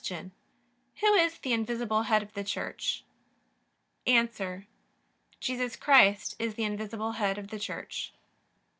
Who is the invisible Head of the Church? A. Jesus Christ is the invisible Head of the Church.